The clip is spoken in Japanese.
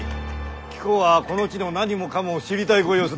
貴公はこの地の何もかもを知りたいご様子だ。